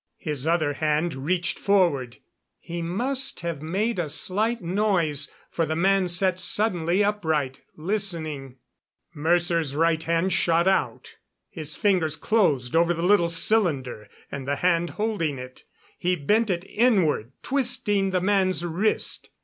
His other hand reached forward. He must have made a slight noise, for the man sat suddenly upright, listening. Mercer's right hand shot out. His fingers closed over the little cylinder and the hand holding it. He bent it inward, twisting the man's wrist.